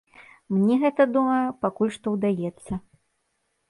Мне гэта, думаю, пакуль што ўдаецца.